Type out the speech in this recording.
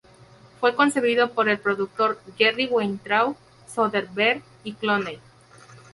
Fue concebido por el productor Jerry Weintraub, Soderbergh y Clooney.